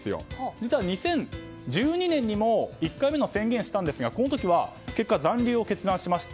実は２０１２年にも１回目の宣言したんですがこの時は結果、残留を決断しました。